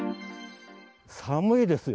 寒いですよ。